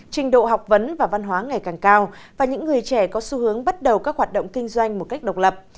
trình độ học vấn và văn hóa ngày càng cao và những người trẻ có xu hướng bắt đầu các hoạt động kinh doanh một cách độc lập